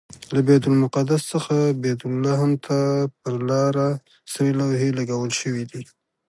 له بیت المقدس څخه بیت لحم ته پر لاره سرې لوحې لګول شوي دي.